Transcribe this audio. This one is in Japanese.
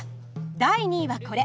第２位はこれ。